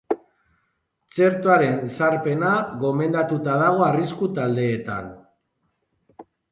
Txertoaren ezarpena gomendatuta dago arrisku-taldeetan.